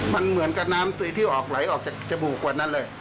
มันเหมือนกับน้ำตรีที่ออกไหลออกจากจมูกกว่านั้นเลย